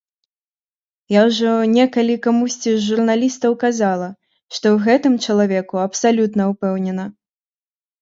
Я ўжо некалі камусьці з журналістаў казала, што ў гэтым чалавеку абсалютна ўпэўнена.